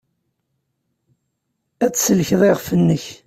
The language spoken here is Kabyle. Ad tsellkeḍ iɣef-nnek.